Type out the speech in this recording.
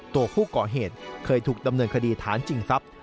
ตัวผู้ก่อเหตุเคยถูกดำเนินคดีฐานจิงทรัพย์